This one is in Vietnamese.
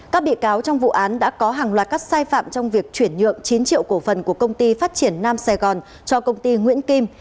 các bị cáo trong vụ án đã có hàng loạt các sai phạm trong việc chuyển nhượng chín triệu cổ phần của công ty phát triển nam sài gòn cho công ty nguyễn kim